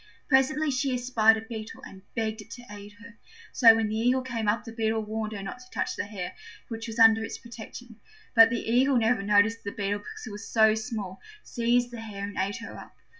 Presently she espied a Beetle, and begged it to aid her. So when the Eagle came up the Beetle warned her not to touch the hare, which was under its protection. But the Eagle never noticed the Beetle because it was so small, seized the hare and ate her up.